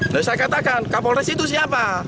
lalu saya katakan kapolres itu siapa